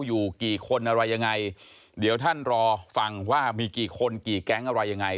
อยู่กี่คนอะไรยังไงเดี๋ยวท่านรอฟังว่ามีกี่คนกี่แก๊งอะไรยังไง